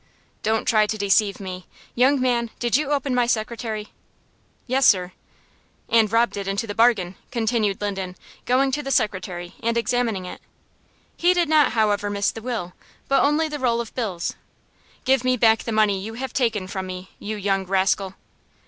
"Don't try to deceive me. Young man, did you open my secretary?" "Yes, sir." "And robbed it into the bargain," continued Linden, going to the secretary, and examining it. He did not, however, miss the will, but only the roll of bills. "Give me back the money you have taken from me, you young rascal!"